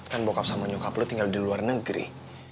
kan bokap sama nyokap lo tinggal di luar negeri